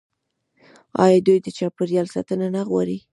آیا دوی د چاپیریال ساتنه نه غواړي؟